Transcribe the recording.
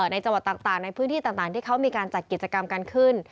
ในจังหวัดต่างในพื้นที่ต่างที่เขามีการจัดกิจกรรมกันขึ้น